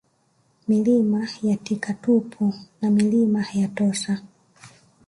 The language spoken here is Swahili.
Milima ya Tikatupu na Milima ya Tossa